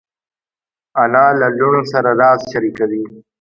انا له لوڼو سره راز شریکوي